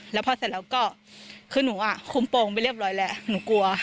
แล้วพอเสร็จแล้วก็คือหนูอ่ะคุมโปรงไปเรียบร้อยแล้วหนูกลัว